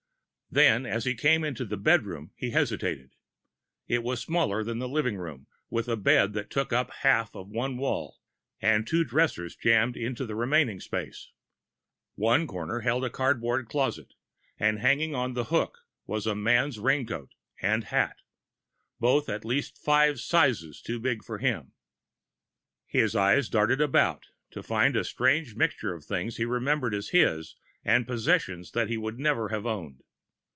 Then, as he came into the bedroom, he hesitated. It was smaller than the living room, with a bed that took up half of one wall, and two dressers jammed into the remaining space. One corner held a cardboard closet and hanging on the hook was a man's raincoat and hat, both at least five sizes too big for him. His eyes darted about, to find a strange mixture of things he remembered as his and possessions which he would never have owned.